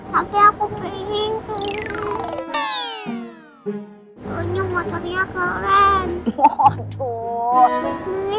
tapi aku pengen tante